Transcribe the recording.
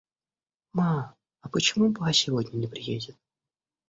Ма, а почему ба сегодня не приедет?